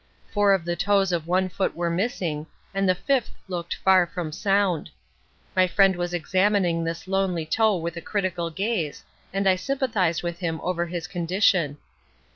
Four of the toes of one foot were missing, and the fifth looked far from sound. My friend was examining this lonely toe with a critical gaze, and I sympathised with him over its condition.